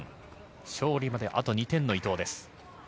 勝利まであと２点の伊藤です。